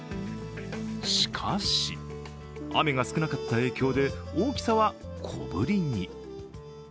しかし、雨が少なかった影響で大きさは小ぶりに。